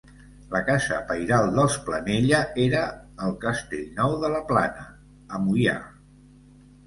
La casa pairal dels Planella era el Castellnou de la Plana, a Moià.